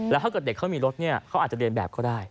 แล้วถ้าเกิดเด็กเขามีรถเนี่ยเขาอาจจะเรียนแบบก็ได้